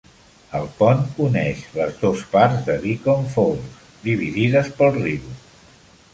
El pont uneix les dos parts de Beacon Falls dividides pel riu.